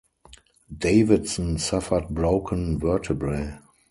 Davidson suffered broken vertebrae.